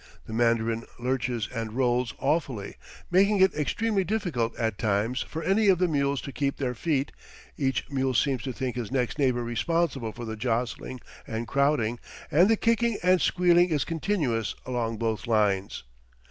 The Mandarin lurches and rolls awfully, making it extremely difficult at times for any of the mules to keep their feet; each mule seems to think his next neighbor responsible for the jostling and crowding, and the kicking and squealing is continuous along both lines.